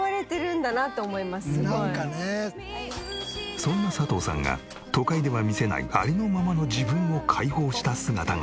そんな佐藤さんが都会では見せないありのままの自分を解放した姿が。